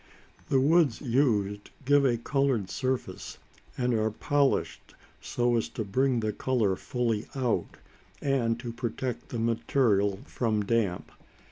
The woods used give a coloured surface, and are polished so as to bring the colour fully out, and to protect the material from damp.